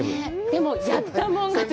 でも、やったもん勝ち。